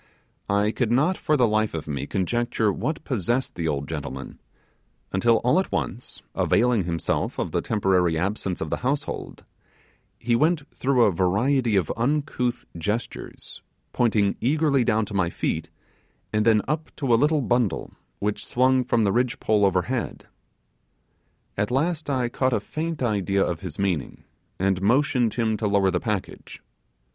I could not for the life of me conjecture what possessed the old gentleman, until all at once, availing himself of the temporary absence of the household, he went through a variety of of uncouth gestures, pointing eagerly down to my feet, then up to a little bundle, which swung from the ridge pole overhead. At last I caught a faint idea of his meaning, and motioned him to lower the package.